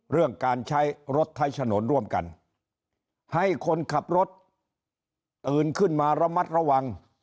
เรื่องการใช้รถใช้ถนนร่วมกันให้คนขับรถตื่นขึ้นมาระมัดระวัง